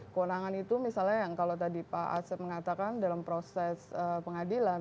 kewenangan itu misalnya yang kalau tadi pak asep mengatakan dalam proses pengadilan